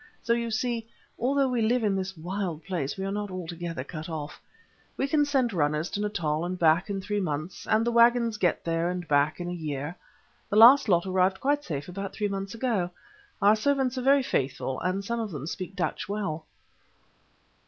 So you see, although we live in this wild place, we are not altogether cut off. We can send runners to Natal and back in three months, and the waggons get there and back in a year. The last lot arrived quite safe about three months ago. Our servants are very faithful, and some of them speak Dutch well."